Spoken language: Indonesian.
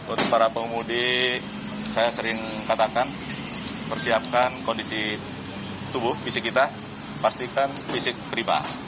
untuk para pemudik saya sering katakan persiapkan kondisi tubuh fisik kita pastikan fisik priva